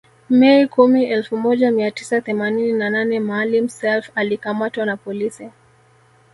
Mei kumi elfu moja mia tisa themanini na nane Maalim Self alikamatwa na polisi